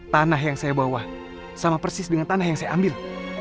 tanah yang saya bawa sama persis dengan tanah yang saya ambil